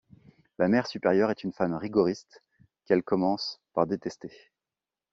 La mère supérieure est une femme rigoriste qu'elles commencent par détester.